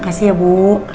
kasih ya bu